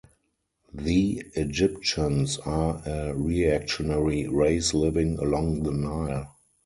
The Egyptians are a reactionary race living along the Nile.